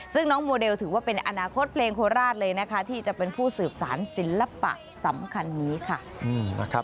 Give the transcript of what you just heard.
ซึ่งน้องโมเดลถือว่าเป็นอนาคตเพลงโคราชเลยนะคะที่จะเป็นผู้สืบสารศิลปะสำคัญนี้ค่ะ